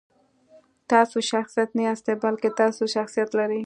تاسو شخصیت نه یاستئ، بلکې تاسو شخصیت لرئ.